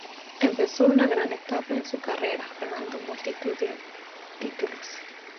Empezó una gran etapa en su carrera, ganando multitud de títulos.